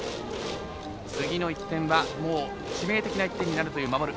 次の１点は致命的な１点になるという守る